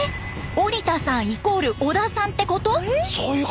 オリタさんイコール織田さんってこと？